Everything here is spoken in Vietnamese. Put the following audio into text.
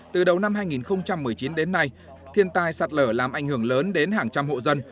từ đầu năm hai nghìn một mươi chín đến nay thiên tai sạt lở làm ảnh hưởng lớn đến hàng trăm hộ dân